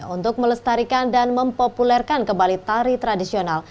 untuk melestarikan dan mempopulerkan kembali tari tradisional